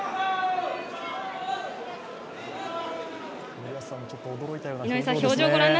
森保さんも驚いたような表情ですね。